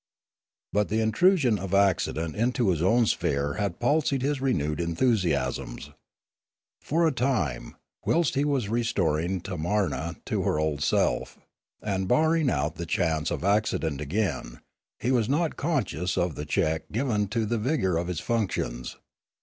But the intrusion of accident into his own sphere had palsied his renewed enthusiasms. For a time, whilst he was restoring Tamarna to her old self, and barring out the chance of accident again, he was not conscious of the check given to the vigour of his functions.